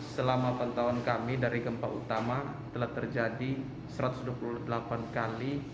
selama pantauan kami dari gempa utama telah terjadi satu ratus dua puluh delapan kali